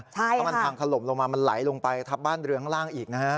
เพราะมันพังถล่มลงมามันไหลลงไปทับบ้านเรืองล่างอีกนะฮะ